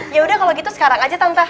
yaudah kalo gitu sekarang aja tante